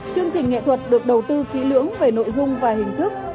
chương trình nghệ thuật được đầu tư kỹ lưỡng về nội dung và hình thức